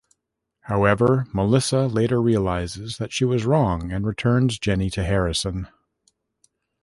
However, Melissa later realizes that she was wrong and returns Jenny to Harrison.